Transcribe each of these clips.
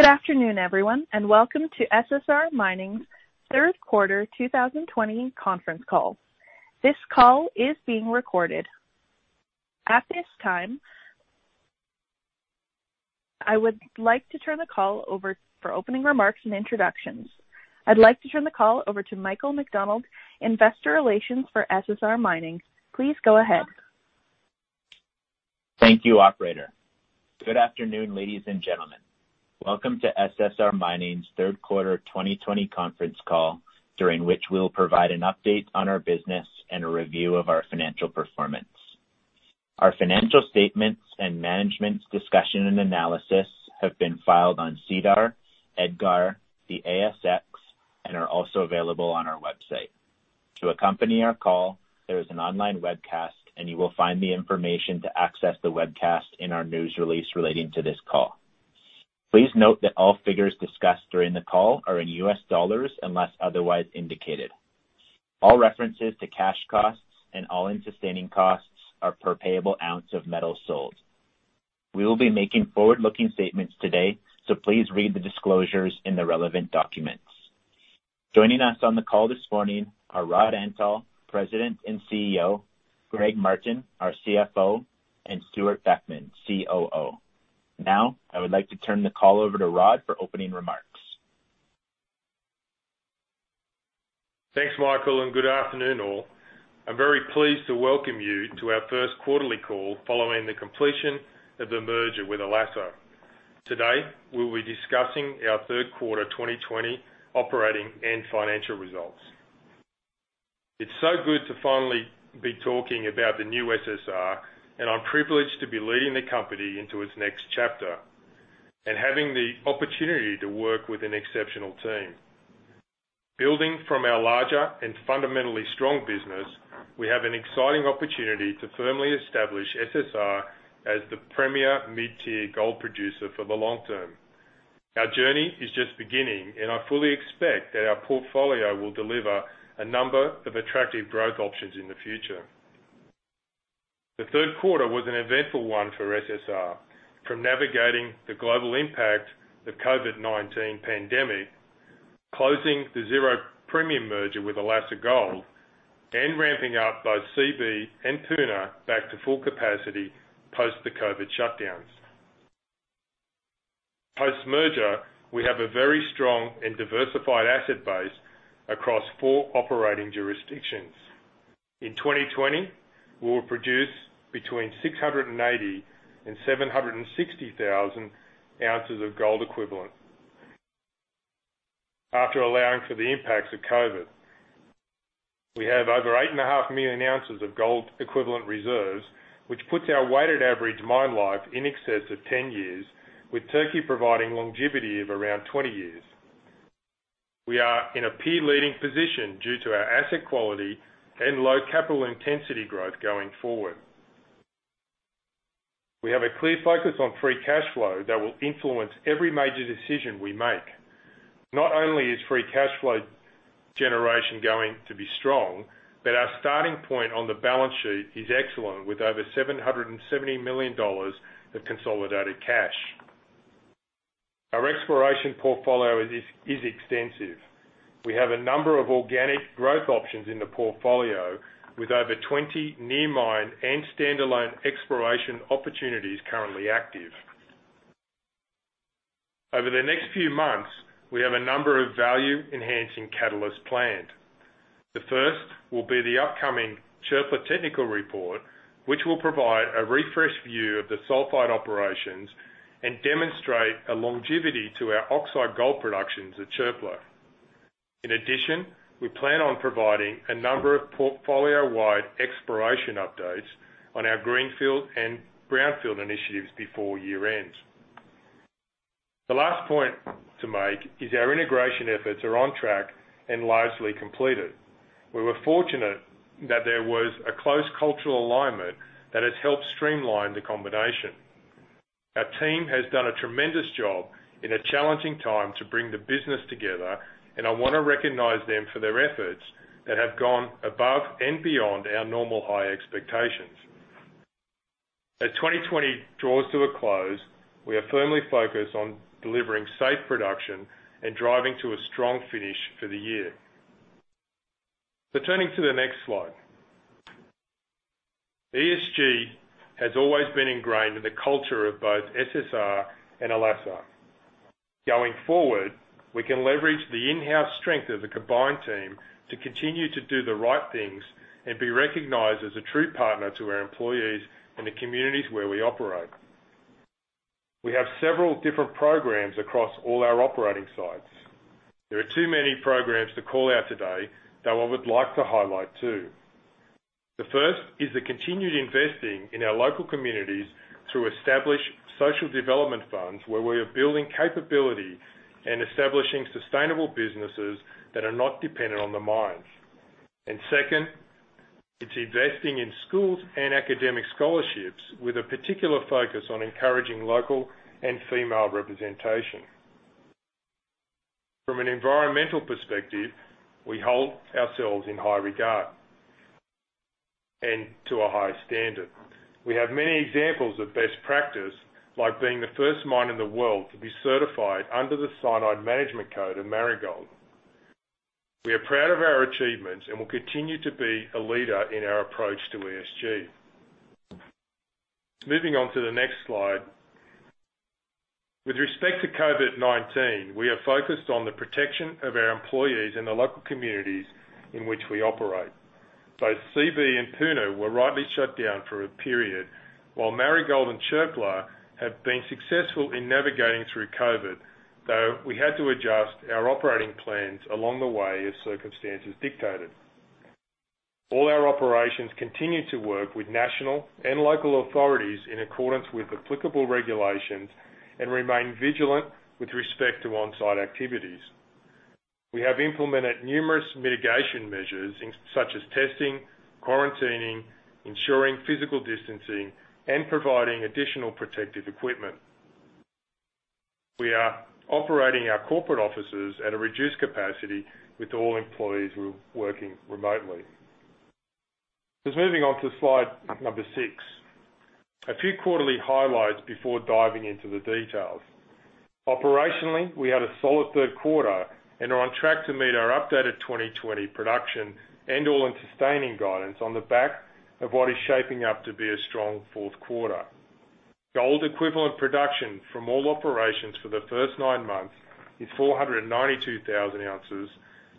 Good afternoon, everyone, and welcome to SSR Mining's Third Quarter 2020 Conference Call. This call is being recorded. At this time, I would like to turn the call over for opening remarks and introductions. I'd like to turn the call over to Michael McDonald, Investor Relations for SSR Mining. Please go ahead. Thank you, operator. Good afternoon, ladies and gentlemen. Welcome to SSR Mining's Third Quarter 2020 Conference Call, during which we'll provide an update on our business and a review of our financial performance. Our financial statements and management's discussion and analysis have been filed on SEDAR, EDGAR, the ASX, and are also available on our website. To accompany our call, there is an online webcast, you will find the information to access the webcast in our news release relating to this call. Please note that all figures discussed during the call are in U.S. dollars, unless otherwise indicated. All references to cash costs and all-in sustaining costs are per payable ounce of metal sold. We will be making forward-looking statements today, please read the disclosures in the relevant documents. Joining us on the call this morning are Rodney Antal, President and Chief Executive Officer, Gregory Martin, our CFO, and Stewart Beckman, COO. Now, I would like to turn the call over to Rodney for opening remarks. Thanks, Michael, and good afternoon, all. I'm very pleased to welcome you to our first quarterly call following the completion of the merger with Alacer. Today, we'll be discussing our third quarter 2020 operating and financial results. It's so good to finally be talking about the new SSR, and I'm privileged to be leading the company into its next chapter and having the opportunity to work with an exceptional team. Building from our larger and fundamentally strong business, we have an exciting opportunity to firmly establish SSR as the premier mid-tier gold producer for the long term. Our journey is just beginning, and I fully expect that our portfolio will deliver a number of attractive growth options in the future. The third quarter was an eventful one for SSR. From navigating the global impact of COVID-19 pandemic, closing the zero premium merger with Alacer Gold, and ramping up both Seabee and Puna back to full capacity post the COVID shutdowns. Post-merger, we have a very strong and diversified asset base across four operating jurisdictions. In 2020, we will produce between 680,000 and 760,000 ounces of gold equivalent after allowing for the impacts of COVID. We have over 8.5 million ounces of gold equivalent reserves, which puts our weighted average mine life in excess of 10 years, with Turkey providing longevity of around 20 years. We are in a peer-leading position due to our asset quality and low capital intensity growth going forward. We have a clear focus on free cash flow that will influence every major decision we make. Not only is free cash flow generation going to be strong, but our starting point on the balance sheet is excellent, with over $770 million of consolidated cash. Our exploration portfolio is extensive. We have a number of organic growth options in the portfolio, with over 20 near mine and standalone exploration opportunities currently active. Over the next few months, we have a number of value-enhancing catalysts planned. The first will be the upcoming Çöpler Technical Report, which will provide a refreshed view of the sulfide operations and demonstrate a longevity to our oxide gold productions at Çöpler. In addition, we plan on providing a number of portfolio-wide exploration updates on our greenfield and brownfield initiatives before year-end. The last point to make is our integration efforts are on track and largely completed. We were fortunate that there was a close cultural alignment that has helped streamline the combination. Our team has done a tremendous job in a challenging time to bring the business together, and I want to recognize them for their efforts that have gone above and beyond our normal high expectations. As 2020 draws to a close, we are firmly focused on delivering safe production and driving to a strong finish for the year. Turning to the next slide. ESG has always been ingrained in the culture of both SSR and Alacer. Going forward, we can leverage the in-house strength of the combined team to continue to do the right things and be recognized as a true partner to our employees in the communities where we operate. We have several different programs across all our operating sites. There are too many programs to call out today, though I would like to highlight two. The first is the continued investing in our local communities through established social development funds where we are building capability and establishing sustainable businesses that are not dependent on the mines. Second, it's investing in schools and academic scholarships with a particular focus on encouraging local and female representation. From an environmental perspective, we hold ourselves in high regard and to a high standard. We have many examples of best practice, like being the first mine in the world to be certified under the International Cyanide Management Code. We are proud of our achievements and will continue to be a leader in our approach to ESG. Moving on to the next slide. With respect to COVID-19, we are focused on the protection of our employees and the local communities in which we operate. Both Seabee and Puna were rightly shut down for a period, while Marigold and Çöpler have been successful in navigating through COVID, though we had to adjust our operating plans along the way as circumstances dictated. All our operations continue to work with national and local authorities in accordance with applicable regulations and remain vigilant with respect to on-site activities. We have implemented numerous mitigation measures such as testing, quarantining, ensuring physical distancing, and providing additional protective equipment. We are operating our corporate offices at a reduced capacity with all employees working remotely. Just moving on to slide number six. A few quarterly highlights before diving into the details. Operationally, we had a solid third quarter and are on track to meet our updated 2020 production and all-in sustaining guidance on the back of what is shaping up to be a strong fourth quarter. Gold equivalent production from all operations for the first nine months is 492,000 oz,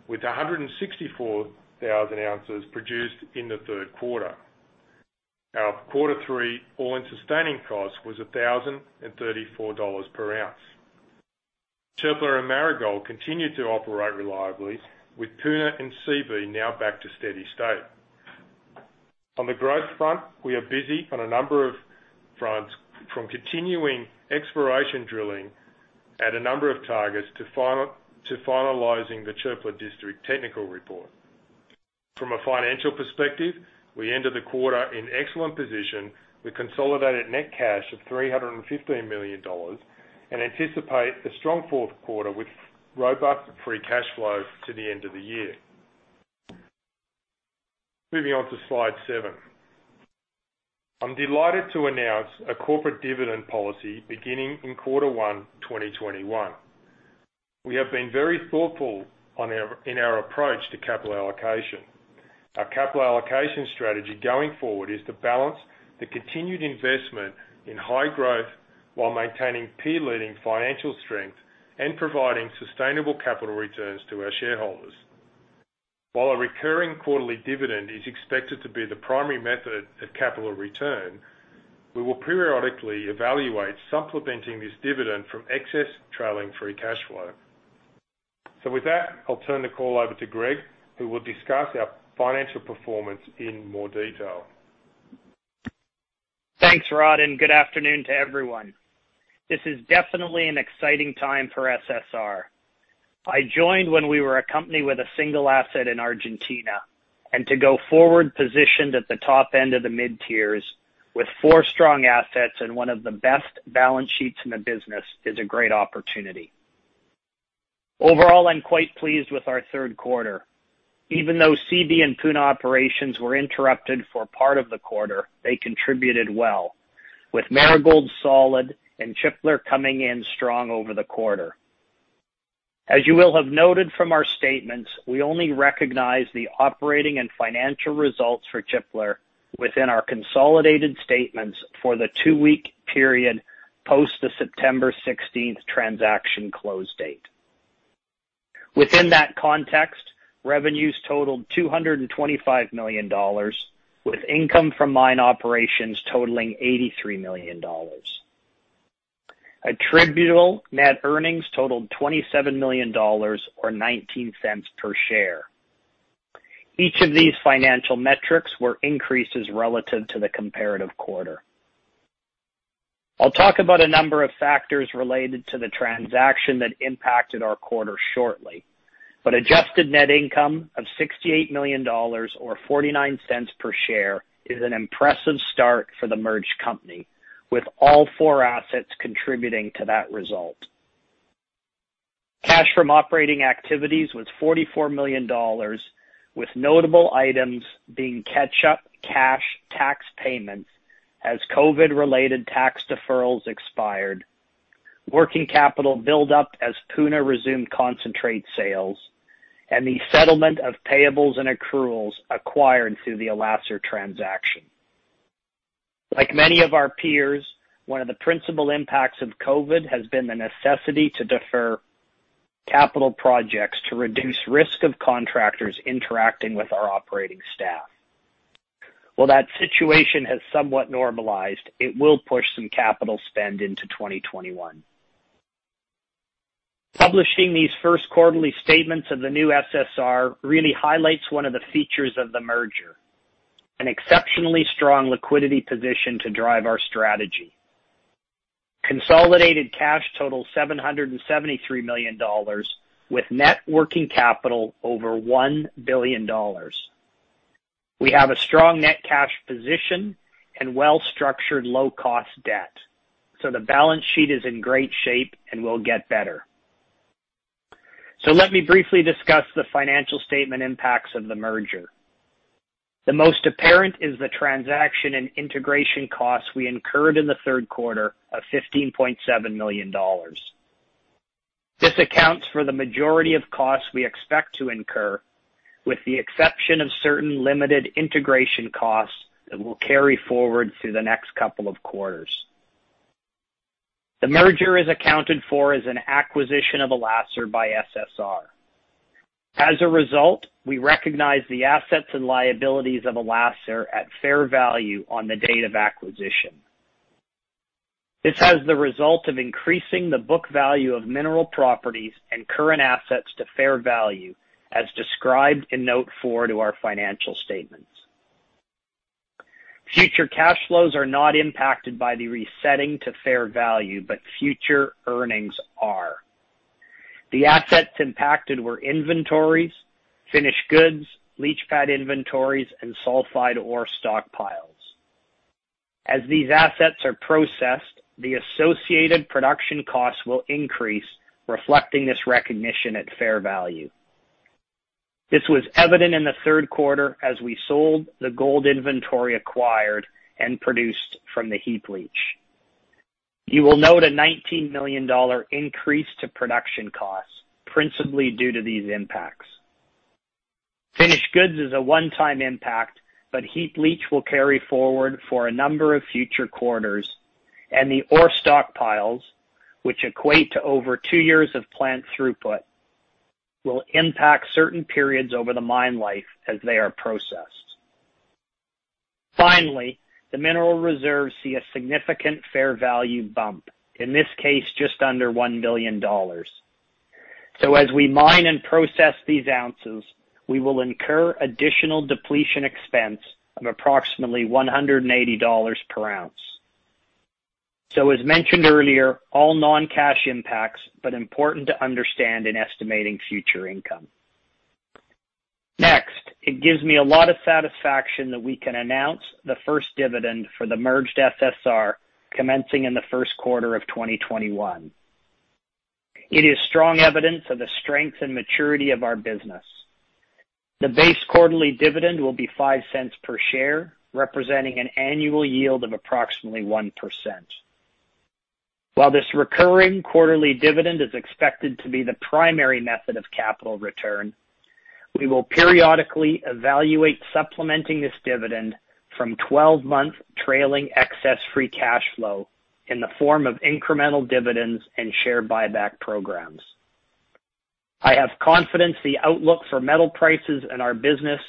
with 164,000 oz produced in the third quarter. Our quarter three all-in sustaining cost was $1,034 per ounce. Çöpler and Marigold continued to operate reliably, with Puna and Seabee now back to steady state. On the growth front, we are busy on a number of fronts, from continuing exploration drilling at a number of targets to finalizing the Çöpler District technical report. From a financial perspective, we enter the quarter in excellent position with consolidated net cash of $315 million and anticipate a strong fourth quarter with robust free cash flows to the end of the year. Moving on to slide seven. I'm delighted to announce a corporate dividend policy beginning in quarter one 2021. We have been very thoughtful in our approach to capital allocation. Our capital allocation strategy going forward is to balance the continued investment in high growth while maintaining peer-leading financial strength and providing sustainable capital returns to our shareholders. While a recurring quarterly dividend is expected to be the primary method of capital return, we will periodically evaluate supplementing this dividend from excess trailing free cash flow. With that, I'll turn the call over to Gregory, who will discuss our financial performance in more detail. Thanks, Rodney. Good afternoon to everyone. This is definitely an exciting time for SSR. I joined when we were a company with a single asset in Argentina, and to go forward positioned at the top end of the mid-tiers with four strong assets and one of the best balance sheets in the business is a great opportunity. Overall, I am quite pleased with our third quarter. Even though Seabee and Puna operations were interrupted for part of the quarter, they contributed well, with Marigold solid and Çöpler coming in strong over the quarter. As you will have noted from our statements, we only recognize the operating and financial results for Çöpler within our consolidated statements for the two-week period post the September 16th transaction close date. Within that context, revenues totaled $225 million, with income from mine operations totaling $83 million. Attributable net earnings totaled $27 million, or $0.19 per share. Each of these financial metrics were increases relative to the comparative quarter. I'll talk about a number of factors related to the transaction that impacted our quarter shortly, but adjusted net income of $68 million or $0.49 per share is an impressive start for the merged company, with all four assets contributing to that result. Cash from operating activities was $44 million, with notable items being catch-up cash tax payments as COVID-19-related tax deferrals expired, working capital build-up as Puna resumed concentrate sales, and the settlement of payables and accruals acquired through the Alacer transaction. Like many of our peers, one of the principal impacts of COVID-19 has been the necessity to defer capital projects to reduce risk of contractors interacting with our operating staff. While that situation has somewhat normalized, it will push some capital spend into 2021. Publishing these first quarterly statements of the new SSR really highlights one of the features of the merger. An exceptionally strong liquidity position to drive our strategy. Consolidated cash totals $773 million, with net working capital over $1 billion. We have a strong net cash position and well-structured low-cost debt. The balance sheet is in great shape and will get better. Let me briefly discuss the financial statement impacts of the merger. The most apparent is the transaction and integration costs we incurred in the third quarter of $15.7 million. This accounts for the majority of costs we expect to incur, with the exception of certain limited integration costs that will carry forward through the next couple of quarters. The merger is accounted for as an acquisition of Alacer by SSR. We recognize the assets and liabilities of Alacer at fair value on the date of acquisition. This has the result of increasing the book value of mineral properties and current assets to fair value, as described in Note four to our financial statements. Future cash flows are not impacted by the resetting to fair value, but future earnings are. The assets impacted were inventories, finished goods, leach pad inventories, and sulfide ore stockpiles. As these assets are processed, the associated production costs will increase, reflecting this recognition at fair value. This was evident in the third quarter as we sold the gold inventory acquired and produced from the heap leach. You will note a $19 million increase to production costs, principally due to these impacts. Finished goods is a one-time impact. Heap leach will carry forward for a number of future quarters. The ore stockpiles, which equate to over two years of plant throughput, will impact certain periods over the mine life as they are processed. Finally, the mineral reserves see a significant fair value bump, in this case, just under $1 million. As we mine and process these ounces, we will incur additional depletion expense of approximately $180 per ounce. As mentioned earlier, all non-cash impacts, important to understand in estimating future income. Next, it gives me a lot of satisfaction that we can announce the first dividend for the merged SSR commencing in the first quarter of 2021. It is strong evidence of the strength and maturity of our business. The base quarterly dividend will be $0.05 per share, representing an annual yield of approximately 1%. While this recurring quarterly dividend is expected to be the primary method of capital return, we will periodically evaluate supplementing this dividend from 12-month trailing excess free cash flow in the form of incremental dividends and share buyback programs. I have confidence the outlook for metal prices and our business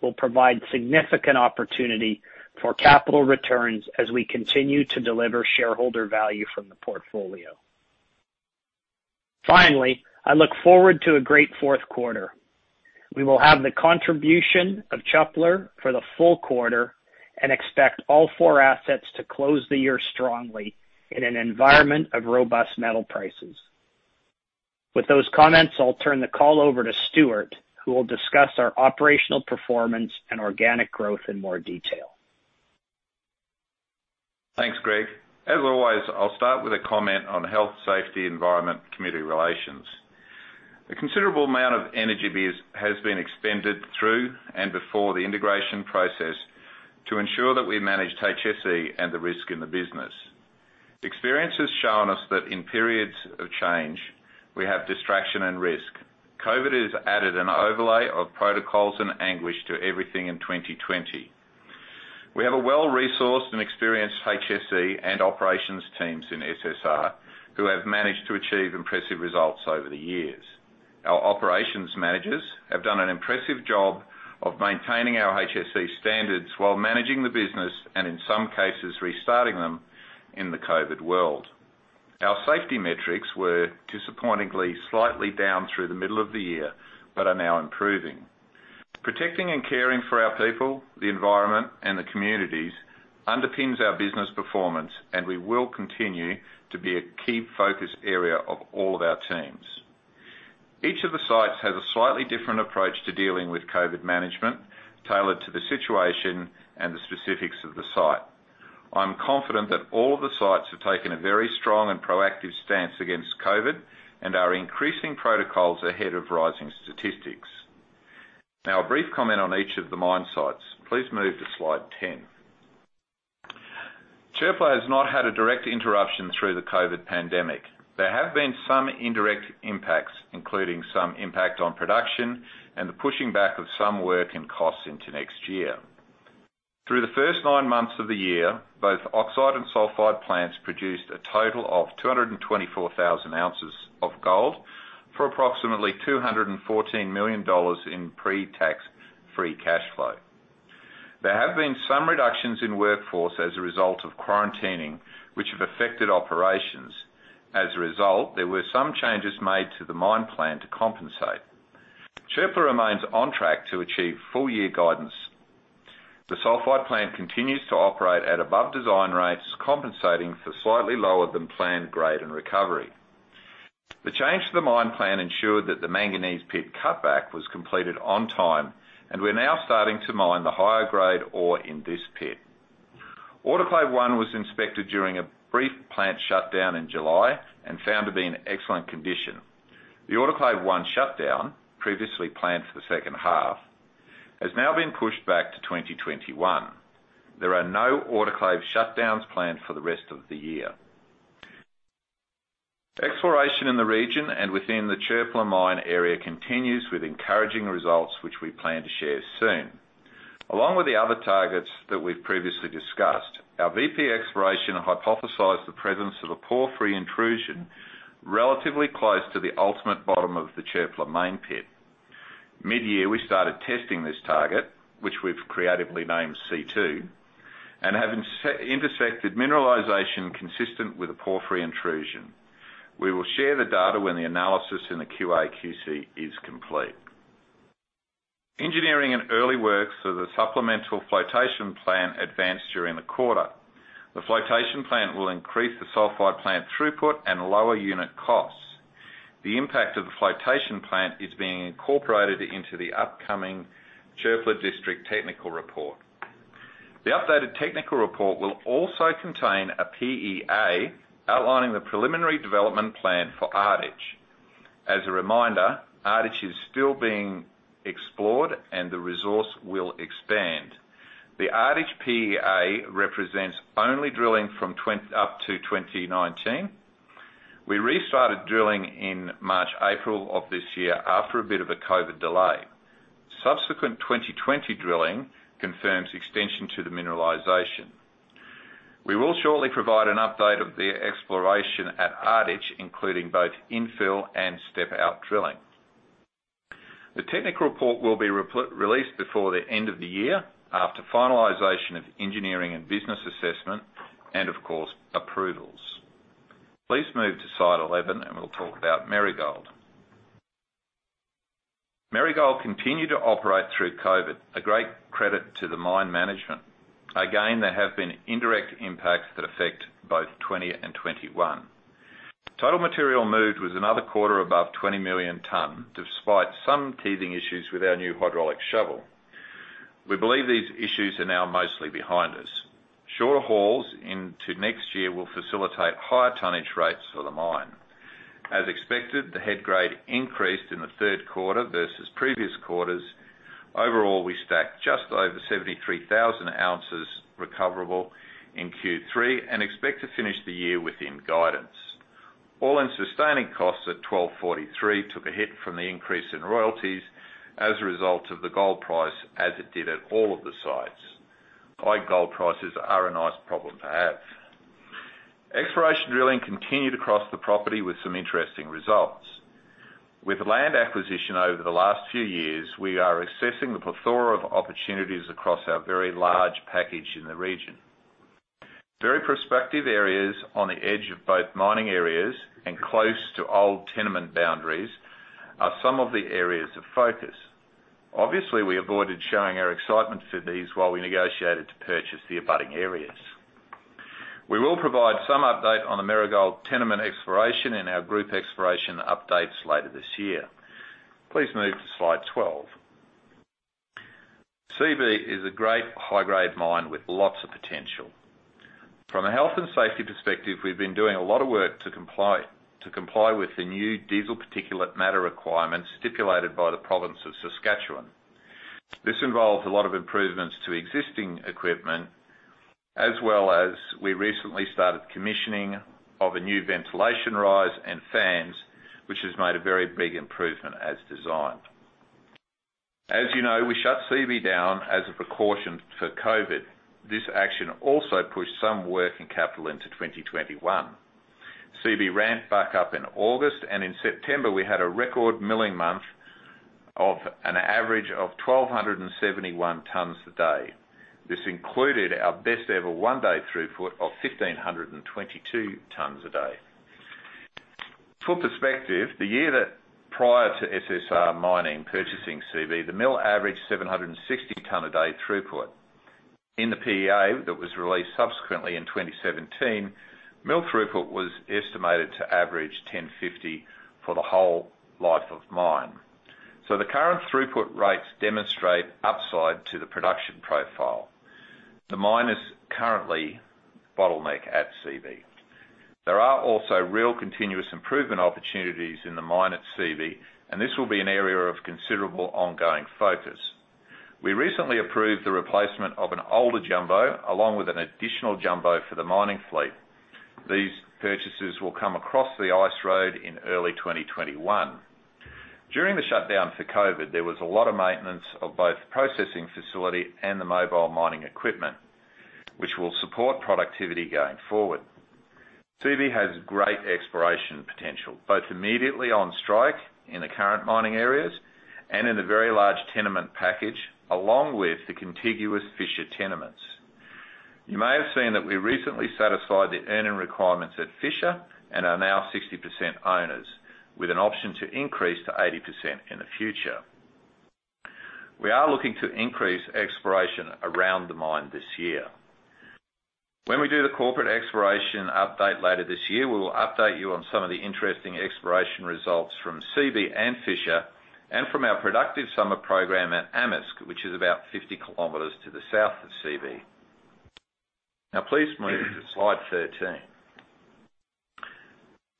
will provide significant opportunity for capital returns as we continue to deliver shareholder value from the portfolio. Finally, I look forward to a great fourth quarter. We will have the contribution of Çöpler for the full quarter and expect all four assets to close the year strongly in an environment of robust metal prices. With those comments, I'll turn the call over to Stewart, who will discuss our operational performance and organic growth in more detail. Thanks, Gregory. As always, I'll start with a comment on health, safety, environment, community relations. A considerable amount of energy has been expended through and before the integration process to ensure that we managed HSE and the risk in the business. Experience has shown us that in periods of change, we have distraction and risk. COVID has added an overlay of protocols and anguish to everything in 2020. We have a well-resourced and experienced HSE and operations teams in SSR who have managed to achieve impressive results over the years. Our operations managers have done an impressive job of maintaining our HSE standards while managing the business, and in some cases, restarting them in the COVID world. Our safety metrics were disappointingly slightly down through the middle of the year, but are now improving. Protecting and caring for our people, the environment, and the communities underpins our business performance, and will continue to be a key focus area of all of our teams. Each of the sites has a slightly different approach to dealing with COVID management, tailored to the situation and the specifics of the site. I'm confident that all the sites have taken a very strong and proactive stance against COVID and are increasing protocols ahead of rising statistics. Now a brief comment on each of the mine sites. Please move to slide 10. Çöpler has not had a direct interruption through the COVID pandemic. There have been some indirect impacts, including some impact on production and the pushing back of some work and costs into next year. Through the first nine months of the year, both oxide and sulfide plants produced a total of 224,000 oz of gold for approximately $214 million in pre-tax free cash flow. There have been some reductions in workforce as a result of quarantining, which have affected operations. As a result, there were some changes made to the mine plan to compensate. Çöpler remains on track to achieve full-year guidance. The sulfide plant continues to operate at above design rates, compensating for slightly lower than planned grade and recovery. The change to the mine plan ensured that the manganese pit cutback was completed on time, and we're now starting to mine the higher grade ore in this pit. Autoclave One was inspected during a brief plant shutdown in July and found to be in excellent condition. The Autoclave One shutdown, previously planned for the second half, has now been pushed back to 2021. There are no autoclave shutdowns planned for the rest of the year. Exploration in the region and within the Çöpler Mine area continues with encouraging results, which we plan to share soon. Along with the other targets that we've previously discussed, our VP exploration hypothesized the presence of a porphyry intrusion relatively close to the ultimate bottom of the Çöpler Mine pit. Midyear, we started testing this target, which we've creatively named C2, and have intersected mineralization consistent with a porphyry intrusion. We will share the data when the analysis in the QA/QC is complete. Engineering and early works for the supplemental flotation plant advanced during the quarter. The flotation plant will increase the sulfide plant throughput and lower unit costs. The impact of the flotation plant is being incorporated into the upcoming Çöpler District technical report. The updated technical report will also contain a PEA outlining the preliminary development plan for Ardich. As a reminder, Ardich is still being explored and the resource will expand. The Ardich PEA represents only drilling from up to 2019. We restarted drilling in March, April of this year after a bit of a COVID delay. Subsequent 2020 drilling confirms extension to the mineralization. We will shortly provide an update of the exploration at Ardich, including both infill and step-out drilling. The technical report will be released before the end of the year after finalization of engineering and business assessment, and of course, approvals. Please move to slide 11, and we'll talk about Marigold. Marigold continued to operate through COVID, a great credit to the mine management. Again, there have been indirect impacts that affect both 2020 and 2021. Total material moved was another quarter above 20 million tons, despite some teething issues with our new hydraulic shovel. We believe these issues are now mostly behind us. Shorter hauls into next year will facilitate higher tonnage rates for the mine. As expected, the head grade increased in the third quarter versus previous quarters. Overall, we stacked just over 73,000 oz recoverable in Q3 and expect to finish the year within guidance. All-in sustaining costs at $1,243 took a hit from the increase in royalties as a result of the gold price as it did at all of the sites. High gold prices are a nice problem to have. Exploration drilling continued across the property with some interesting results. With land acquisition over the last few years, we are assessing the plethora of opportunities across our very large package in the region. Very prospective areas on the edge of both mining areas and close to old tenement boundaries are some of the areas of focus. Obviously, we avoided showing our excitement for these while we negotiated to purchase the abutting areas. We will provide some update on the Marigold tenement exploration in our group exploration updates later this year. Please move to slide 12. Seabee is a great high-grade mine with lots of potential. From a health and safety perspective, we've been doing a lot of work to comply with the new diesel particulate matter requirements stipulated by the province of Saskatchewan. This involves a lot of improvements to existing equipment, as well as we recently started commissioning of a new ventilation raise and fans, which has made a very big improvement as designed. As you know, we shut Seabee down as a precaution for COVID. This action also pushed some working capital into 2021. Seabee ramped back up in August, and in September, we had a record milling month of an average of 1,271 tons a day. This included our best ever one-day throughput of 1,522 tons a day. For perspective, the year that prior to SSR Mining purchasing Seabee, the mill averaged 760 ton a day throughput. In the PEA that was released subsequently in 2017, mill throughput was estimated to average 1,050 for the whole life of mine. The current throughput rates demonstrate upside to the production profile. The mine is currently bottleneck at Seabee. There are also real continuous improvement opportunities in the mine at Seabee, and this will be an area of considerable ongoing focus. We recently approved the replacement of an older jumbo, along with an additional jumbo for the mining fleet. These purchases will come across the ice road in early 2021. During the shutdown for COVID, there was a lot of maintenance of both processing facility and the mobile mining equipment, which will support productivity going forward. Seabee has great exploration potential, both immediately on strike in the current mining areas and in the very large tenement package, along with the contiguous Fisher tenements. You may have seen that we recently satisfied the earning requirements at Fisher and are now 60% owners, with an option to increase to 80% in the future. We are looking to increase exploration around the mine this year. When we do the corporate exploration update later this year, we will update you on some of the interesting exploration results from Seabee and Fisher and from our productive summer program at Amisk, which is about 50 km to the south of Seabee. Now, please move to slide 13.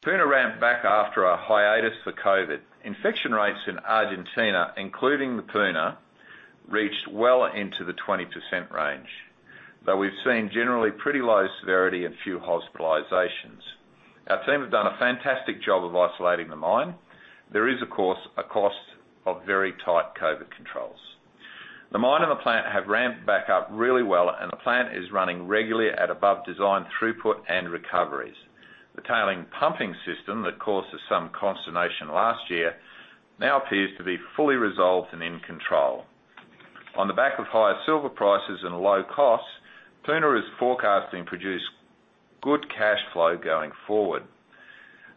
Puna ramped back after a hiatus for COVID. Infection rates in Argentina, including Puna, reached well into the 20% range. Though we've seen generally pretty low severity and few hospitalizations. Our team have done a fantastic job of isolating the mine. There is, of course, a cost of very tight COVID controls. The mine and the plant have ramped back up really well, and the plant is running regularly at above design throughput and recoveries. The tailing pumping system that caused us some consternation last year now appears to be fully resolved and in control. On the back of higher silver prices and low costs, Puna is forecasting to produce good cash flow going forward.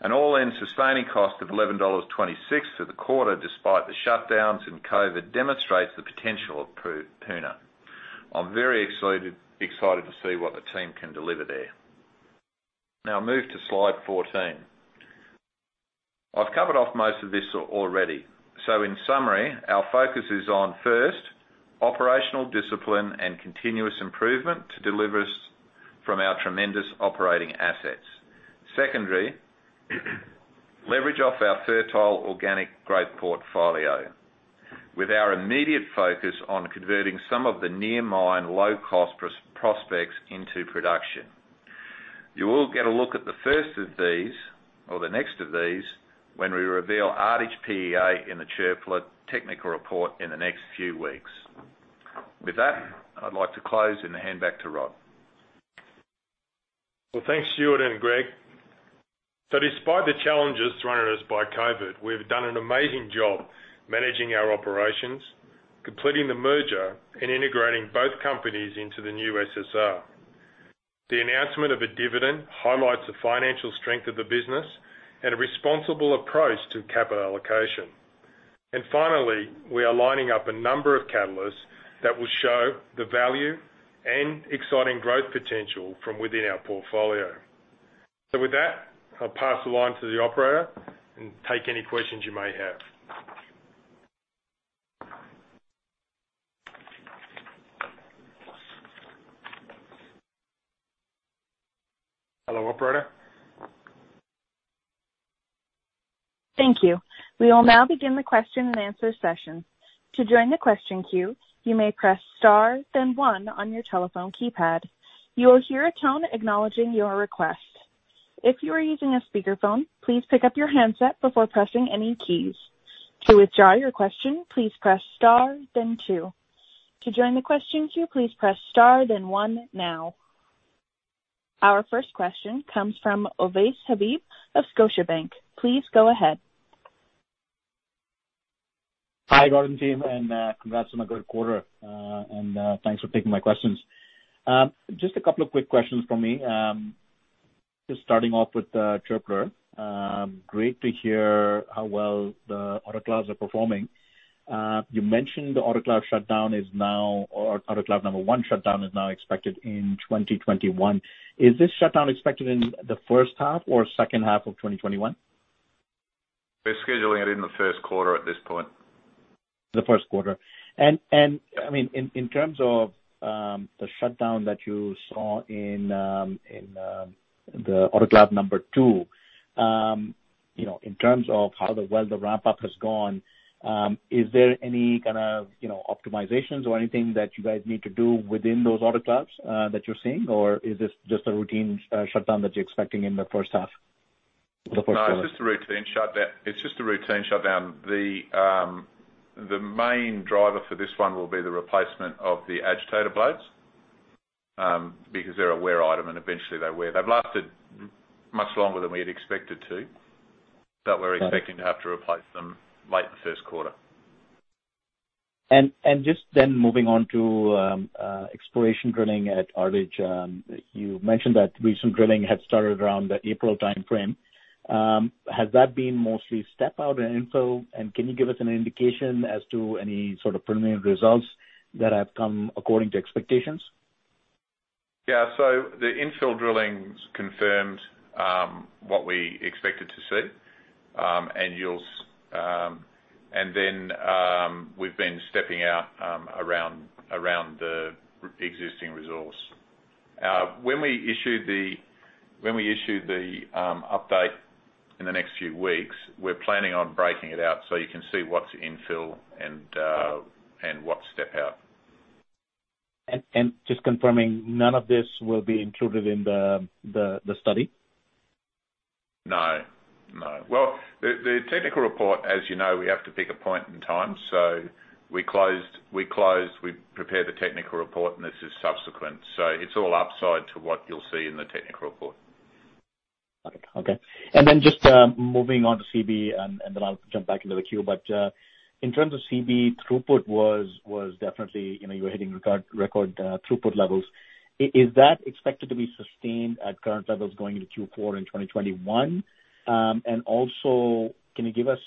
An all-in sustaining cost of $11.26 for the quarter, despite the shutdowns and COVID, demonstrates the potential of Puna. I'm very excited to see what the team can deliver there. Now move to slide 14. I've covered off most of this already. In summary, our focus is on, first, operational discipline and continuous improvement to deliver us from our tremendous operating assets. Secondly, leverage off our fertile organic growth portfolio with our immediate focus on converting some of the near mine low-cost prospects into production. You will get a look at the first of these or the next of these when we reveal Ardich PEA in the Çöpler technical report in the next few weeks. With that, I'd like to close and hand back to Rod. Well, thanks, Stuart and Greg. Despite the challenges thrown at us by COVID, we've done an amazing job managing our operations, completing the merger, and integrating both companies into the new SSR. The announcement of a dividend highlights the financial strength of the business and a responsible approach to capital allocation. Finally, we are lining up a number of catalysts that will show the value and exciting growth potential from within our portfolio. With that, I'll pass the line to the operator and take any questions you may have. Hello, operator. Thank you. We will now begin the question and answer session. This is a question and answer session. To join the question queue, you may press star then one on your telephone keypad. You will hear a tone acknowledging your request. If you are using a speakerphone, please pick up your handset before pressing any keys. To withdraw your question, please press star then two. To join the question queue, please press star then one now. Our first question comes from Ovais Habib of Scotiabank. Please go ahead. Hi, Gordon team, congrats on a good quarter. Thanks for taking my questions. Just a couple of quick questions from me. Just starting off with the Çöpler. Great to hear how well the autoclaves are performing. You mentioned the autoclave number one shutdown is now expected in 2021. Is this shutdown expected in the first half or second half of 2021? We're scheduling it in the first quarter at this point. The first quarter. In terms of the shutdown that you saw in the autoclave number two, in terms of how well the ramp-up has gone, is there any kind of optimizations or anything that you guys need to do within those autoclaves that you're seeing? Is this just a routine shutdown that you're expecting in the first half of the first quarter? No, it's just a routine shutdown. The main driver for this one will be the replacement of the agitator blades, because they're a wear item, and eventually they wear. They've lasted much longer than we had expected to, but we're expecting to have to replace them late the first quarter. Just then moving on to exploration drilling at Ardich. You mentioned that recent drilling had started around the April timeframe. Has that been mostly step-out and infill? Can you give us an indication as to any sort of preliminary results that have come according to expectations? Yeah. The infill drilling's confirmed what we expected to see. We've been stepping out around the existing resource. When we issue the update in the next few weeks, we're planning on breaking it out so you can see what's infill and what's step out. Just confirming, none of this will be included in the study? No. Well, the technical report, as you know, we have to pick a point in time. We closed, we prepared the technical report, and this is subsequent. It's all upside to what you'll see in the technical report. Okay. Then just moving on to Seabee, and then I'll jump back into the queue. In terms of Seabee, throughput was definitely, you're hitting record throughput levels. Is that expected to be sustained at current levels going into Q4 in 2021? Also, can you give us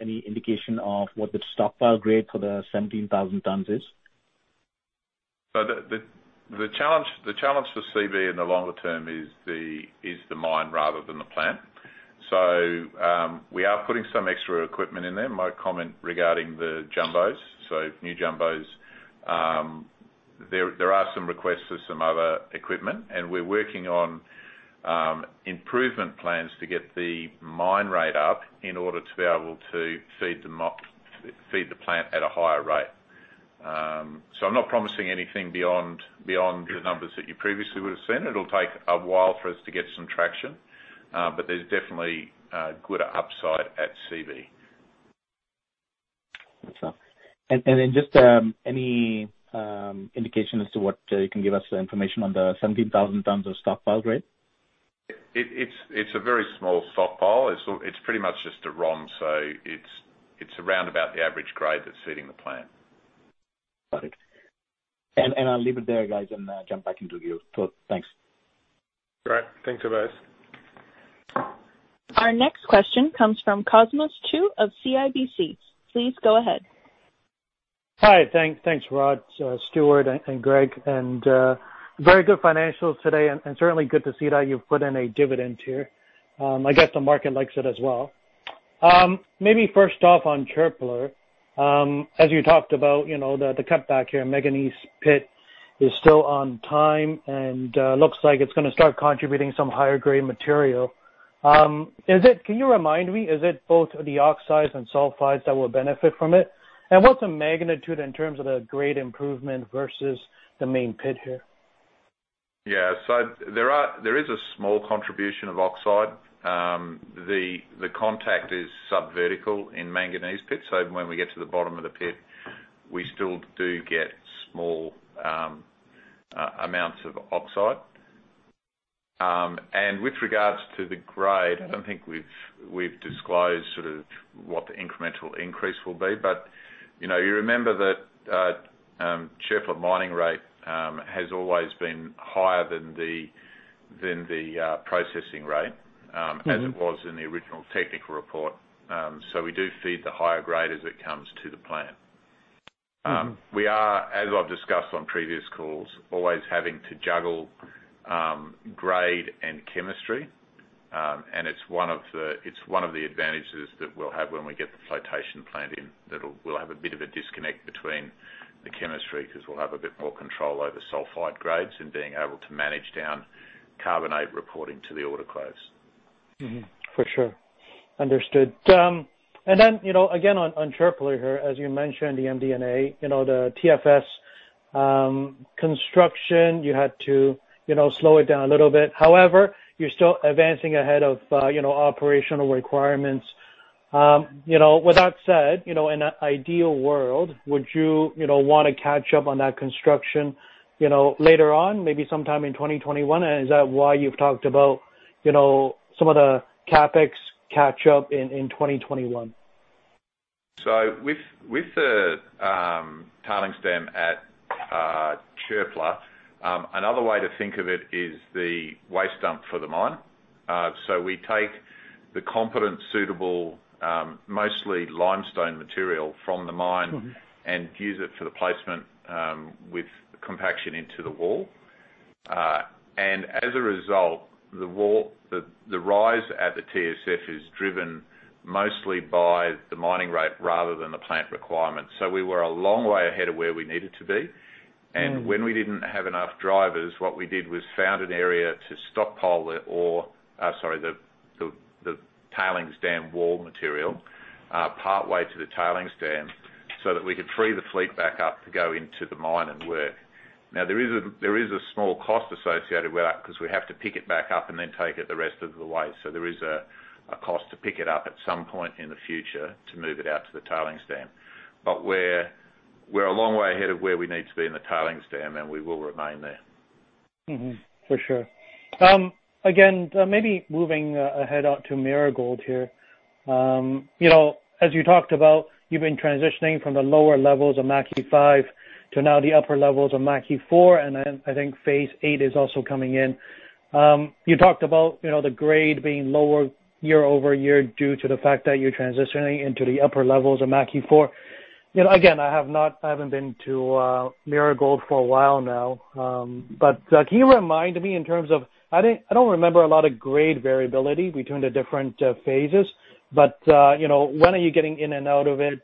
any indication of what the stockpile grade for the 17,000 tons is? The challenge for Seabee in the longer term is the mine rather than the plant. We are putting some extra equipment in there. My comment regarding the jumbos, so new jumbos. There are some requests for some other equipment, and we're working on improvement plans to get the mine rate up in order to be able to feed the plant at a higher rate. I'm not promising anything beyond the numbers that you previously would've seen. It'll take a while for us to get some traction. There's definitely good upside at Seabee. That's all. Just any indication as to what you can give us information on the 17,000 tons of stockpile grade? It's a very small stockpile. It's pretty much just a run, so it's around about the average grade that's feeding the plant. Got it. I'll leave it there, guys, and jump back into you. Todd, thanks. Great. Thanks, Ovais. Our next question comes from Cosmos Chiu of CIBC. Please go ahead. Hi. Thanks, Rodney, Stewart, and Gregory. Very good financials today, and certainly good to see that you've put in a dividend here. I guess the market likes it as well. Maybe first off on Çöpler, as you talked about, the cutback here, Manganese Pit is still on time, and looks like it's going to start contributing some higher grade material. Can you remind me, is it both the oxides and sulfides that will benefit from it? What's the magnitude in terms of the grade improvement versus the main pit here? Yeah. There is a small contribution of oxide. The contact is sub-vertical in Manganese Pit, so when we get to the bottom of the pit, we still do get small amounts of oxide. With regards to the grade, I don't think we've disclosed sort of what the incremental increase will be. You remember that Çöpler mining rate has always been higher than the processing rate-as it was in the original technical report. we do feed the higher grade as it comes to the plant. We are, as I've discussed on previous calls, always having to juggle grade and chemistry. It's one of the advantages that we'll have when we get the flotation plant in. That we'll have a bit of a disconnect between the chemistry, because we'll have a bit more control over sulfide grades and being able to manage down carbonate reporting to the autoclave. Mm-hmm. For sure. Understood. again, on Çöpler here, as you mentioned, the MD&A, the TSF construction, you had to slow it down a little bit. However, you're still advancing ahead of operational requirements. With that said, in an ideal world, would you want to catch up on that construction later on, maybe sometime in 2021? is that why you've talked about some of the CapEx catch-up in 2021? With the tailings dam at Çöpler, another way to think of it is the waste dump for the mine. We take the competent, suitable, mostly limestone material from the mine-use it for the placement with compaction into the wall. As a result, the rise at the TSF is driven mostly by the mining rate rather than the plant requirements. We were a long way ahead of where we needed to be. When we didn't have enough drivers, what we did was found an area to stockpile the ore, sorry, the tailings dam wall material, partway to the tailings dam so that we could free the fleet back up to go into the mine and work. Now, there is a small cost associated with that, because we have to pick it back up and then take it the rest of the way. There is a cost to pick it up at some point in the future to move it out to the tailings dam. We're a long way ahead of where we need to be in the tailings dam, and we will remain there. For sure. Again, maybe moving ahead out to Marigold here. As you talked about, you've been transitioning from the lower levels of Mackay 5 to now the upper levels of Mackay 4. I think phase VIII is also coming in. You talked about the grade being lower year-over-year due to the fact that you're transitioning into the upper levels of Mackay 4. Again, I haven't been to Marigold for a while now. Can you remind me in terms of, I don't remember a lot of grade variability between the different phases. When are you getting in and out of it?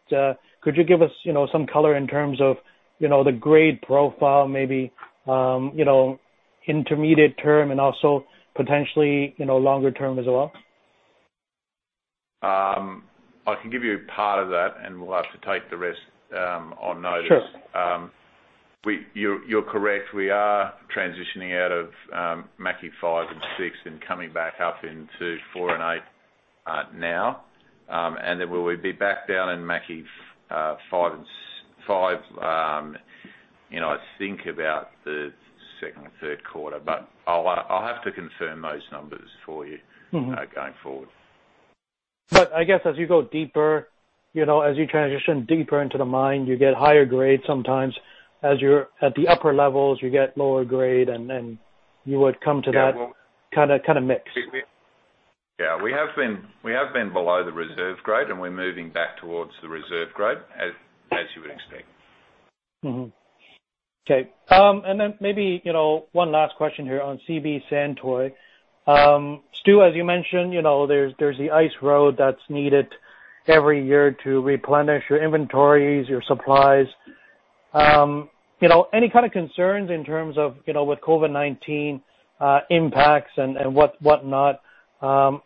Could you give us some color in terms of the grade profile, maybe intermediate term and also potentially longer term as well? I can give you part of that, and we'll have to take the rest on notice. Sure. You're correct. We are transitioning out of Mackay 5 and Mackay 6 and coming back up into Mackay 4 and Mackay 8 now. We'll be back down in Mackay 5, I think about the second or third quarter. I'll have to confirm those numbers for you going forward. I guess as you go deeper, as you transition deeper into the mine, you get higher grades sometimes. As you're at the upper levels, you get lower grade, and then you would come to that- Yeah. Kind of mix. Yeah, we have been below the reserve grade, and we're moving back towards the reserve grade, as you would expect. Okay. Maybe one last question here on Seabee Santoy. Stewart, as you mentioned, there's the ice road that's needed every year to replenish your inventories, your supplies. Any kind of concerns in terms of with COVID-19 impacts and whatnot? Can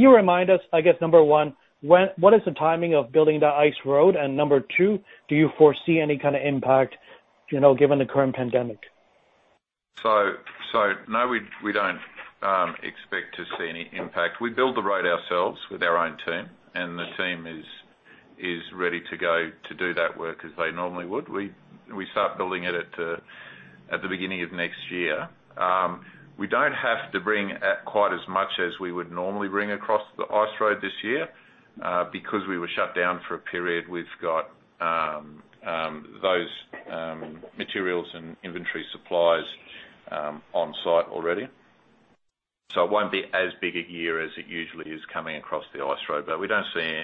you remind us, I guess, number one, what is the timing of building the ice road? number two, do you foresee any kind of impact, given the current pandemic? No, we don't expect to see any impact. We build the road ourselves with our own team, and the team is ready to go to do that work as they normally would. We start building it at the beginning of next year. We don't have to bring quite as much as we would normally bring across the ice road this year. Because we were shut down for a period, we've got those materials and inventory supplies on site already. It won't be as big a year as it usually is coming across the ice road. We don't see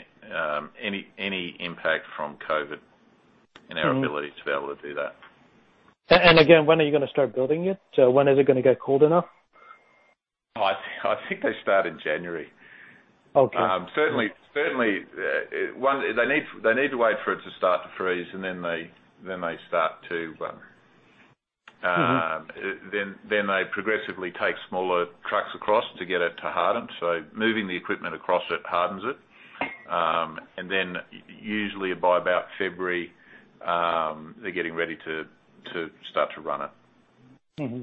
any impact from COVID in our ability to be able to do that. Again, when are you going to start building it? When is it going to get cold enough? I think they start in January. Okay. Certainly, they need to wait for it to start to freeze, and then they progressively take smaller trucks across to get it to harden. Moving the equipment across it hardens it. Usually by about February, they're getting ready to start to run it. Mm-hmm.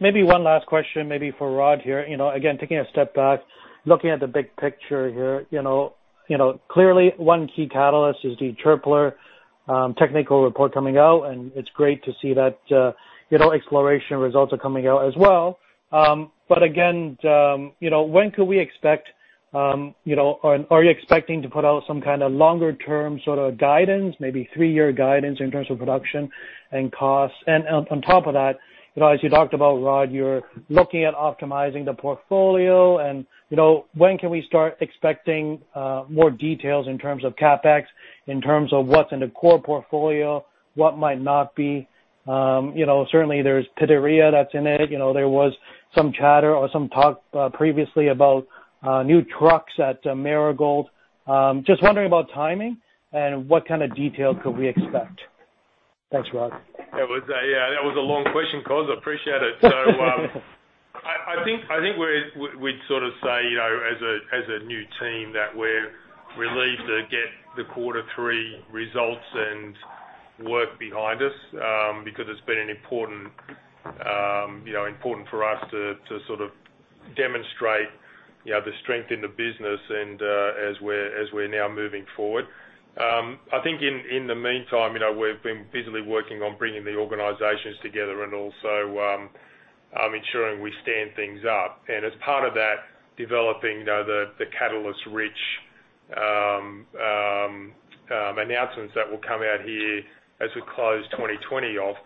Maybe one last question, maybe for Rodney here. Again, taking a step back, looking at the big picture here. Clearly one key catalyst is the Çöpler technical report coming out, and it's great to see that exploration results are coming out as well. Again, when could we expect? Are you expecting to put out some kind of longer-term sort of guidance, maybe three-year guidance in terms of production and costs? On top of that, as you talked about, Rod, you're looking at optimizing the portfolio and when can we start expecting more details in terms of CapEx, in terms of what's in the core portfolio, what might not be? Certainly there's Pitarrilla that's in it. There was some chatter or some talk previously about new trucks at Marigold. Just wondering about timing and what kind of detail could we expect. Thanks, Rodney. Yeah. That was a long question, Cosmos. I appreciate it. I think we'd sort of say, as a new team, that we're relieved to get the quarter three results and work behind us, because it's been important for us to sort of demonstrate the strength in the business and as we're now moving forward. I think in the meantime, we've been busily working on bringing the organizations together and also ensuring we stand things up. as part of that, developing the catalyst-rich announcements that will come out here as we close 2020 off.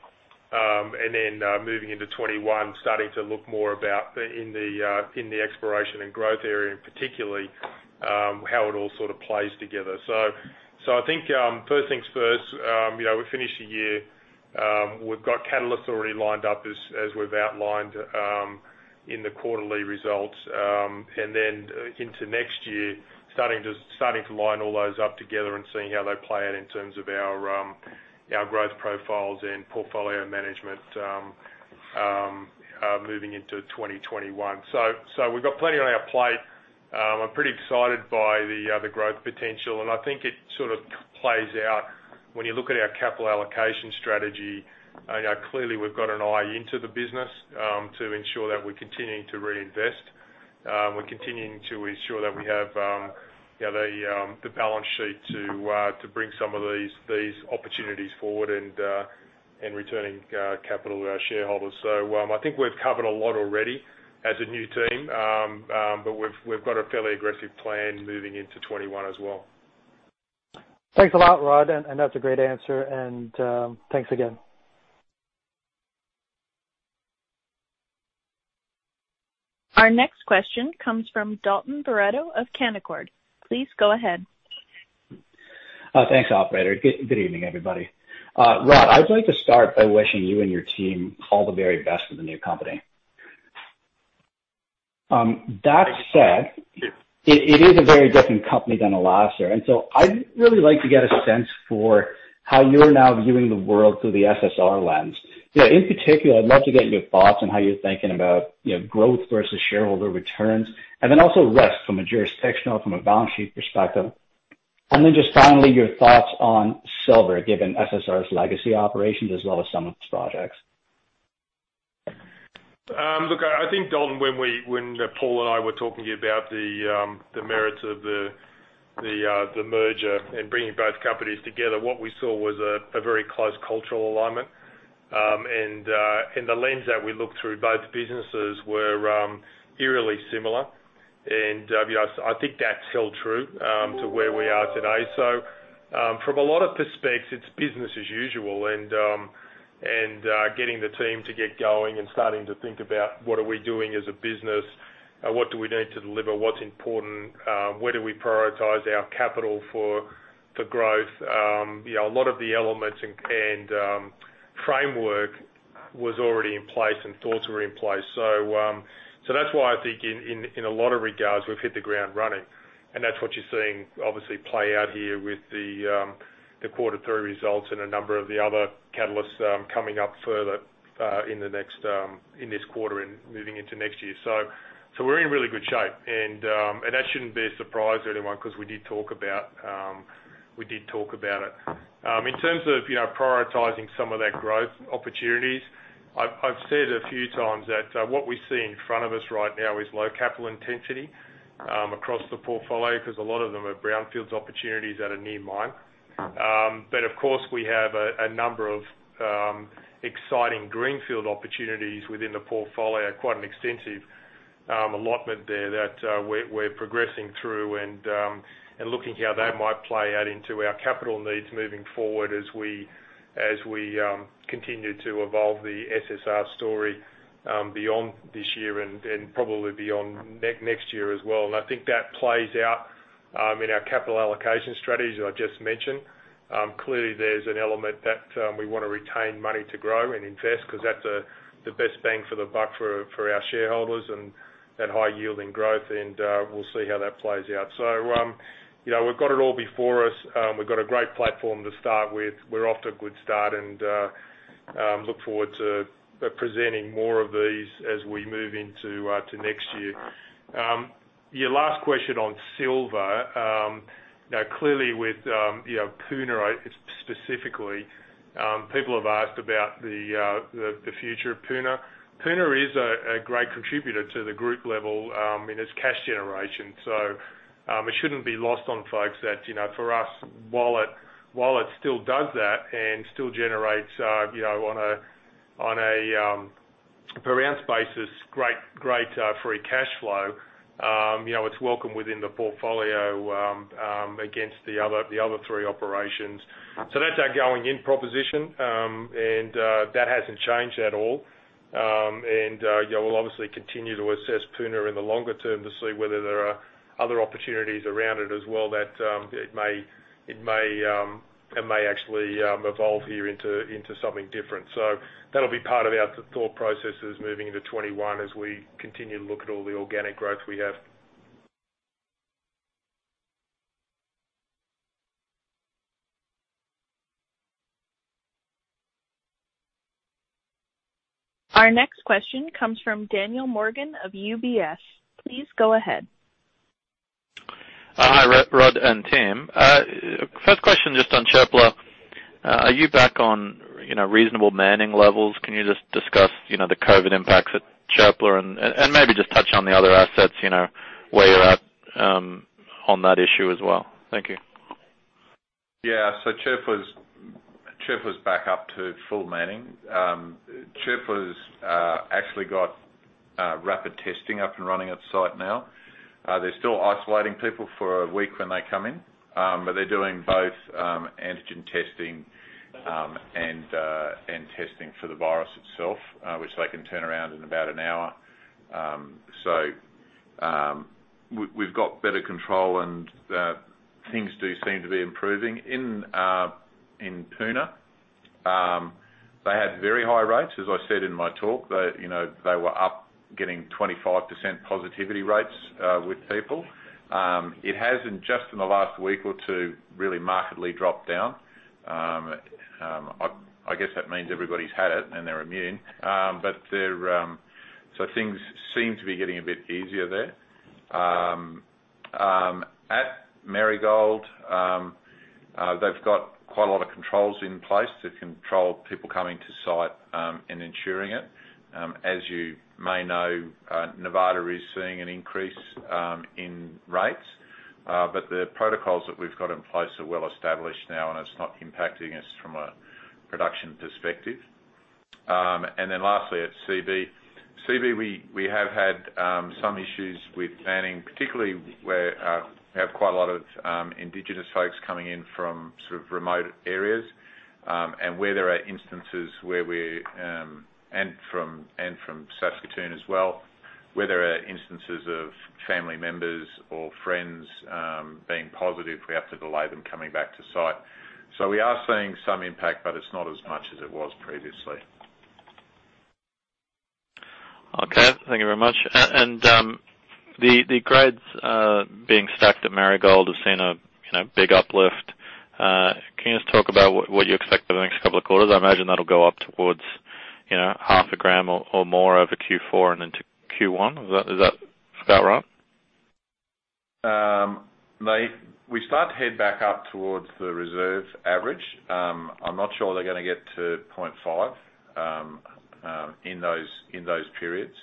then, moving into 2021, starting to look more about in the exploration and growth area, and particularly, how it all sort of plays together. I think, first things first, we finish the year. We've got catalysts already lined up as we've outlined in the quarterly results. Into next year, starting to line all those up together and seeing how they play out in terms of our growth profiles and portfolio management moving into 2021. We've got plenty on our plate. I'm pretty excited by the growth potential, and I think it sort of plays out when you look at our capital allocation strategy. Clearly we've got an eye into the business, to ensure that we're continuing to reinvest. We're continuing to ensure that we have the balance sheet to bring some of these opportunities forward and returning capital to our shareholders. I think we've covered a lot already as a new team. We've got a fairly aggressive plan moving into 2021 as well. Thanks a lot, Rodney, and that's a great answer, and thanks again. Our next question comes from Dalton Baretto of Canaccord. Please go ahead. Thanks, operator. Good evening, everybody. Rodney, I'd like to start by wishing you and your team all the very best with the new company. That said, it is a very different company than Alacer. I'd really like to get a sense for how you're now viewing the world through the SSR lens. In particular, I'd love to get your thoughts on how you're thinking about growth versus shareholder returns, and then also risk from a jurisdictional, from a balance sheet perspective. Just finally, your thoughts on silver, given SSR's legacy operations as well as some of its projects. Look, I think, Dalton, when Paul and I were talking about the merits of the merger and bringing both companies together, what we saw was a very close cultural alignment. The lens that we looked through, both businesses were eerily similar. I think that's held true to where we are today. From a lot of perspectives, it's business as usual and getting the team to get going and starting to think about what are we doing as a business? What do we need to deliver? What's important? Where do we prioritize our capital for growth? A lot of the elements and framework was already in place, and thoughts were in place. That's why I think in a lot of regards, we've hit the ground running, and that's what you're seeing obviously play out here with the quarter three results and a number of the other catalysts coming up further in this quarter and moving into next year. We're in really good shape, and that shouldn't be a surprise to anyone because we did talk about it. In terms of prioritizing some of that growth opportunities, I've said a few times that what we see in front of us right now is low capital intensity across the portfolio because a lot of them are brownfields opportunities that are near mine. Of course, we have a number of exciting greenfield opportunities within the portfolio, quite an extensive allotment there that we're progressing through and looking how that might play out into our capital needs moving forward as we continue to evolve the SSR story beyond this year and probably beyond next year as well. I think that plays out in our capital allocation strategy that I just mentioned. Clearly, there's an element that we want to retain money to grow and invest because that's the best bang for the buck for our shareholders and that high yield and growth, and we'll see how that plays out. We've got it all before us. We've got a great platform to start with. We're off to a good start, and look forward to presenting more of these as we move into next year. Your last question on silver. Clearly with Puna specifically, people have asked about the future of Puna. Puna is a great contributor to the group level in its cash generation. It shouldn't be lost on folks that for us, while it still does that and still generates on a per ounce basis, great free cash flow. It's welcome within the portfolio against the other three operations. That's our going-in proposition, and that hasn't changed at all. We'll obviously continue to assess Puna in the longer term to see whether there are other opportunities around it as well that it may actually evolve here into something different. That'll be part of our thought process as moving into 2021 as we continue to look at all the organic growth we have. Our next question comes from Daniel Morgan of UBS. Please go ahead. Hi, Rodney and team. First question just on Çöpler. Are you back on reasonable manning levels? Can you just discuss the COVID-19 impacts at Çöpler and maybe just touch on the other assets, where you're at on that issue as well? Thank you. Yeah. Çöpler's back up to full manning. Çöpler's actually got rapid testing up and running at site now. They're still isolating people for a week when they come in. They're doing both antigen testing and testing for the virus itself, which they can turn around in about one hour. We've got better control, and things do seem to be improving. In Puna, they had very high rates, as I said in my talk. They were up getting 25% positivity rates with people. It has, just in the last week or two, really markedly dropped down. I guess that means everybody's had it and they're immune. Things seem to be getting a bit easier there. At Marigold, they've got quite a lot of controls in place to control people coming to site and ensuring it. As you may know, Nevada is seeing an increase in rates. The protocols that we've got in place are well established now, and it's not impacting us from a production perspective. Lastly, at Seabee. Seabee, we have had some issues with manning, particularly where we have quite a lot of Indigenous folks coming in from sort of remote areas. From Saskatoon as well, where there are instances of family members or friends being positive, we have to delay them coming back to site. We are seeing some impact, but it's not as much as it was previously. Okay. Thank you very much. The grades being stacked at Marigold has seen a big uplift. Can you just talk about what you expect for the next couple of quarters? I imagine that'll go up towards half a gram or more over Q4 and into Q1. Is that about right? We start to head back up towards the reserve average. I'm not sure they're going to get to 0.5 in those periods.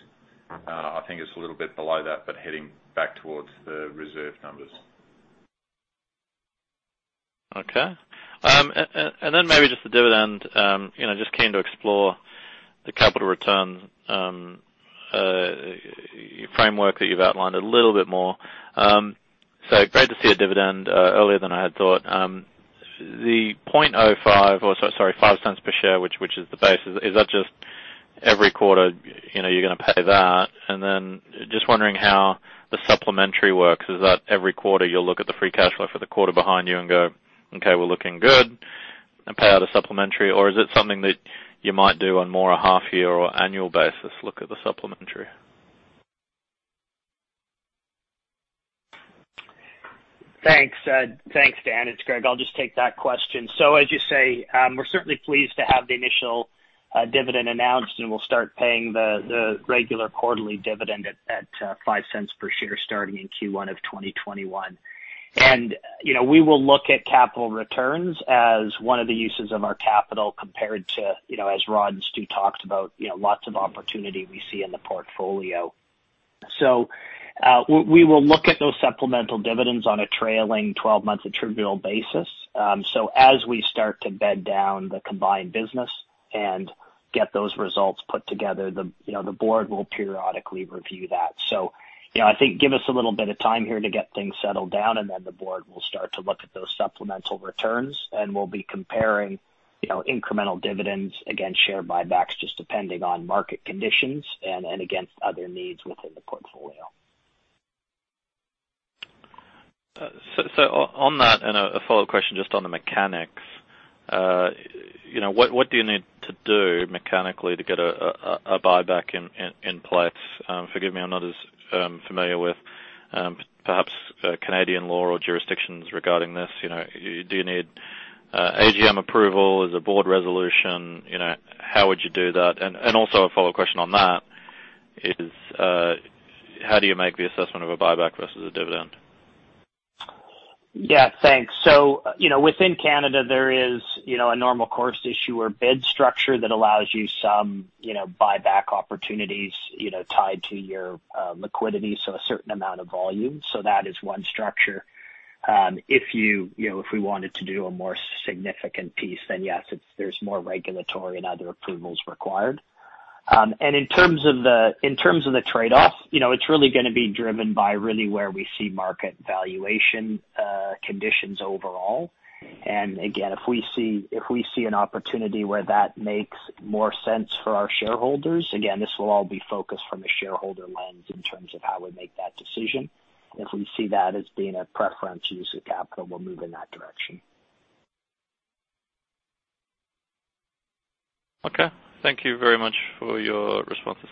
I think it's a little bit below that, but heading back towards the reserve numbers. Okay. Maybe just the dividend, just keen to explore capital return framework that you've outlined a little bit more. Great to see a dividend earlier than I had thought. The $0.05 per share, which is the base, is that just every quarter you're going to pay that? Just wondering how the supplementary works is that every quarter you'll look at the free cash flow for the quarter behind you and go, "Okay, we're looking good," and pay out a supplementary, or is it something that you might do on more a half-year or annual basis, look at the supplementary? Thanks, Dan. It's Greg. I'll just take that question. As you say, we're certainly pleased to have the initial dividend announced, and we'll start paying the regular quarterly dividend at $0.05 per share, starting in Q1 of 2021. We will look at capital returns as one of the uses of our capital compared to, as Rodney and Stewart talked about, lots of opportunity we see in the portfolio. We will look at those supplemental dividends on a trailing 12 months attributable basis. As we start to bed down the combined business and get those results put together, the board will periodically review that. I think give us a little bit of time here to get things settled down, and then the board will start to look at those supplemental returns, and we'll be comparing incremental dividends against share buybacks just depending on market conditions and against other needs within the portfolio. On that, and a follow question just on the mechanics. What do you need to do mechanically to get a buyback in place? Forgive me, I'm not as familiar with perhaps Canadian law or jurisdictions regarding this. Do you need AGM approval? Is it board resolution? How would you do that? Also a follow question on that is, how do you make the assessment of a buyback versus a dividend? Yeah, thanks. Within Canada, there is a normal course issuer bid structure that allows you some buyback opportunities tied to your liquidity, so a certain amount of volume. That is one structure. If we wanted to do a more significant piece, yes, there's more regulatory and other approvals required. In terms of the trade-off, it's really going to be driven by really where we see market valuation conditions overall. Again, if we see an opportunity where that makes more sense for our shareholders, again, this will all be focused from a shareholder lens in terms of how we make that decision. If we see that as being a preference use of capital, we'll move in that direction. Okay. Thank you very much for your responses.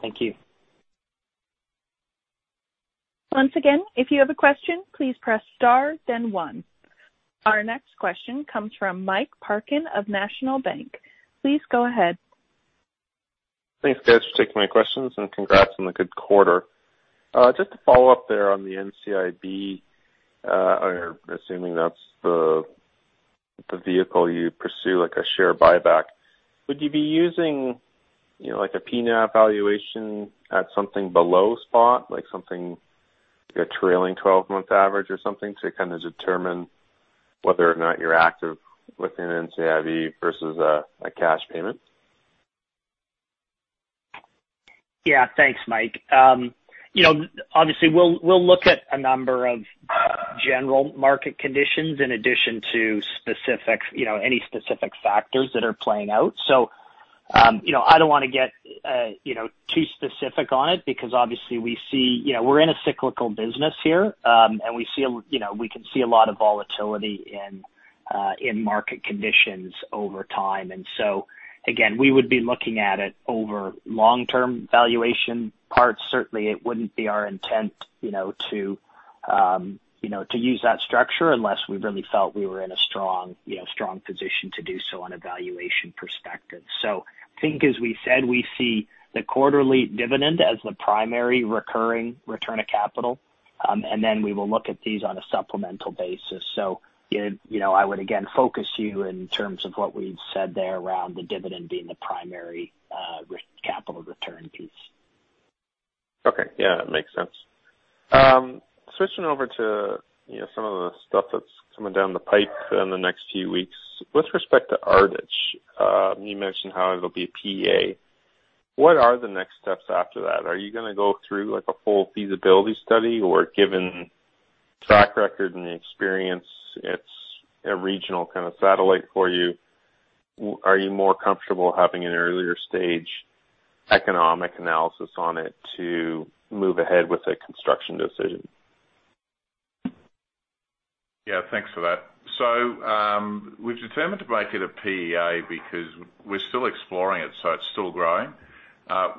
Thank you. Once again, if you have a question, please press star then one. Our next question comes from Mike Parkin of National Bank. Please go ahead. Thanks, guys, for taking my questions and congrats on the good quarter. Just to follow up there on the NCIB, assuming that's the vehicle you pursue, like a share buyback, would you be using a P&L valuation at something below spot, like something like a trailing 12-month average or something to kind of determine whether or not you're active with an NCIB versus a cash payment? Yeah. Thanks, Mike. We'll look at a number of general market conditions in addition to any specific factors that are playing out. I don't want to get too specific on it because obviously we're in a cyclical business here. We can see a lot of volatility in market conditions over time. Again, we would be looking at it over long-term valuation parts. Certainly, it wouldn't be our intent to use that structure unless we really felt we were in a strong position to do so on a valuation perspective. I think as we said, we see the quarterly dividend as the primary recurring return of capital. We will look at these on a supplemental basis. I would again focus you in terms of what we've said there around the dividend being the primary capital return piece. Okay. Yeah, that makes sense. Switching over to some of the stuff that's coming down the pipe in the next few weeks. With respect to Ardich, you mentioned how it'll be a PEA. What are the next steps after that? Are you going to go through a full feasibility study? Given track record and the experience, it's a regional kind of satellite for you. Are you more comfortable having an earlier stage economic analysis on it to move ahead with a construction decision? Yeah, thanks for that. We've determined to make it a PEA because we're still exploring it, so it's still growing.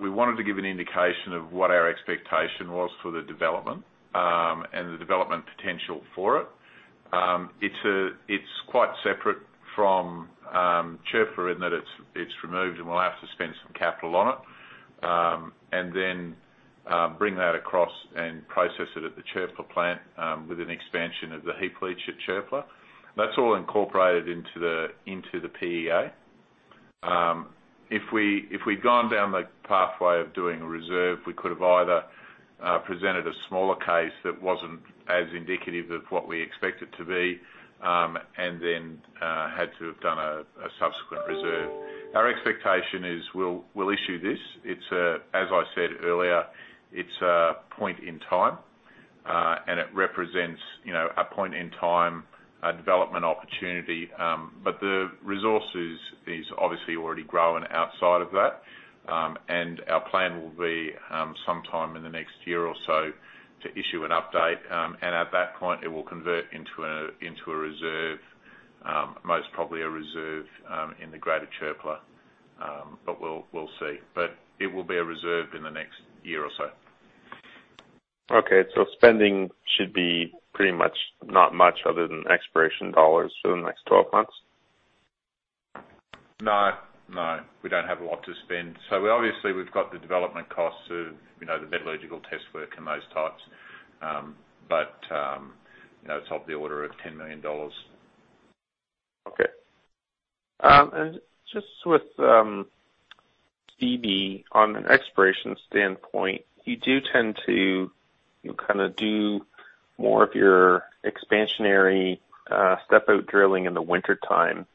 We wanted to give an indication of what our expectation was for the development, and the development potential for it. It's quite separate from Çöpler in that it's removed, and we'll have to spend some capital on it. Then bring that across and process it at the Çöpler plant with an expansion of the heap leach at Çöpler. That's all incorporated into the PEA. If we'd gone down the pathway of doing a reserve, we could have either presented a smaller case that wasn't as indicative of what we expect it to be, and then had to have done a subsequent reserve. Our expectation is we'll issue this. As I said earlier, it's a point in time, and it represents a point in time, a development opportunity. The resources is obviously already growing outside of that. Our plan will be, sometime in the next year or so, to issue an update. At that point, it will convert into a reserve, most probably a reserve in the greater Çöpler. We'll see. It will be a reserve in the next year or so. Okay. spending should be pretty much not much other than exploration dollars for the next 12 months? No. We don't have a lot to spend. Obviously, we've got the development costs of the metallurgical test work and those types. It's of the order of $10 million. Okay. Just with Seabee, on an exploration standpoint, you do tend to do more of your expansionary step-out drilling in the wintertime.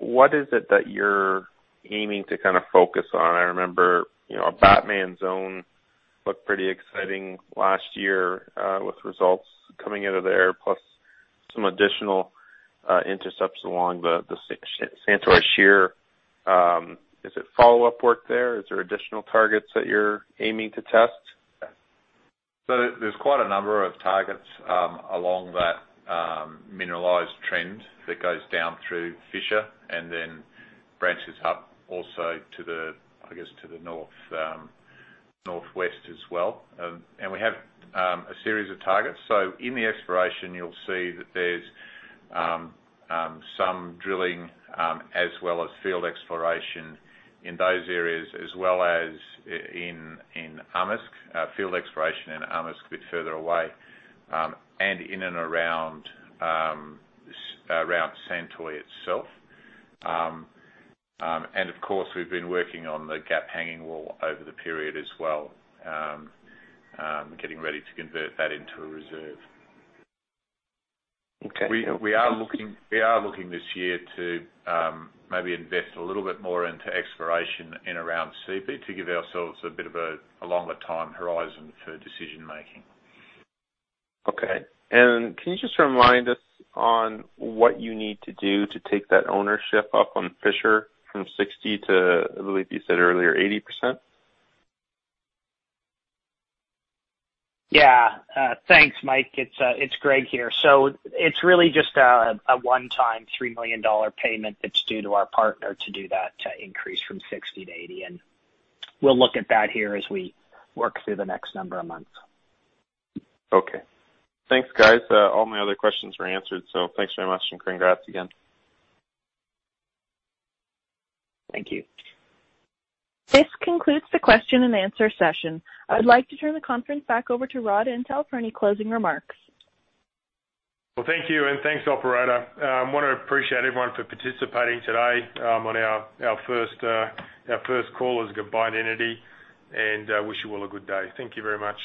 What is it that you're aiming to focus on? I remember Batman Lake looked pretty exciting last year with results coming out of there, plus some additional intercepts along the Santoy Shear. Is it follow-up work there? Is there additional targets that you're aiming to test? There's quite a number of targets along that mineralized trend that goes down through Fisher and then branches up also to the north, northwest as well. We have a series of targets. In the exploration, you'll see that there's some drilling as well as field exploration in those areas, as well as in Amisk, field exploration in Amisk, a bit further away, and in and around Santoy itself. Of course, we've been working on the Gap Hangingwall over the period as well, getting ready to convert that into a reserve. Okay. We are looking this year to maybe invest a little bit more into exploration in around Seabee to give ourselves a bit of a longer time horizon for decision-making. Okay. Can you just remind us on what you need to do to take that ownership up on Fisher from 60% to, I believe you said earlier, 80%? Yeah. Thanks, Mike. It's Greg here. It's really just a one-time $3 million payment that's due to our partner to do that increase from 60%-80%. We'll look at that here as we work through the next number of months. Okay. Thanks, guys. All my other questions were answered. Thanks very much, and congrats again. Thank you. This concludes the question and answer session. I would like to turn the conference back over to Rodney Antal for any closing remarks. Well, thank you, and thanks, operator. I want to appreciate everyone for participating today on our first call as a combined entity, and wish you all a good day. Thank you very much.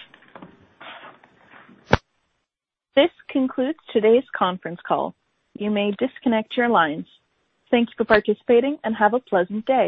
This concludes today's conference call. You may disconnect your lines. Thank you for participating, and have a pleasant day.